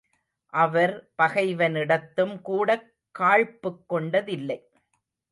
அவர் பகைவனிடத்தும்கூடக் காழ்ப்புக் கொண்டதில்லை.